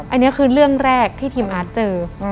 อันนี้คือเรื่องแรกที่ทีมอาร์ตเจอ